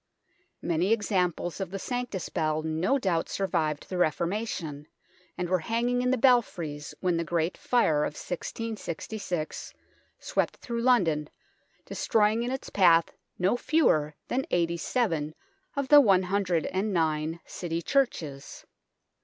Many examples of the Sanctus Bell no doubt survived the Reformation, and were hanging in the belfries when the Great Fire of 1666 swept through London, destroying in its path no fewer than eighty seven of the one hundred and nine City churches.